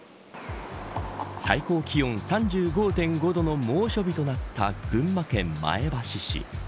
最高気温３５．５度の猛暑日となった群馬県前橋市。